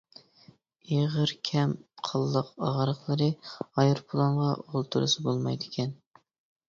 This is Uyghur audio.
ئېغىر كەم قانلىق ئاغرىقلىرى ئايروپىلانغا ئولتۇرسا بولمايدىكەن.